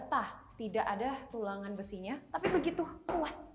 patah tidak ada tulangan besinya tapi begitu kuat